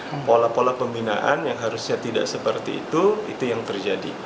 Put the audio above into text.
nah pola pola pembinaan yang harusnya tidak seperti itu itu yang terjadi